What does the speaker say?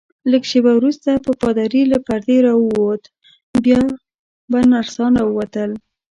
لږ شیبه وروسته به پادري له پردې راووت، بیا به نرسان راووتل.